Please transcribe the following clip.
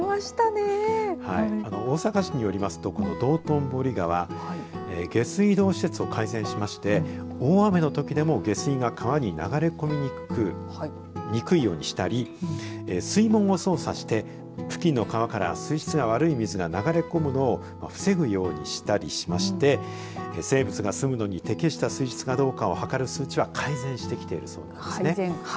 大阪市によりますとこの道頓堀川下水道施設を改善しまして大雨のときでも下水が川に流れ込みにくいようにしたり水門を操作して付近の川から水質が悪い水が流れ込むのを防ぐようにしたりしまして生物がすむのに適した水質かどうかを測る数値は改善してきているそうなんですね。